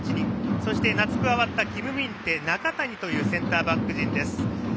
そして、夏加わったキム・ミンテ中谷というセンターバック陣です。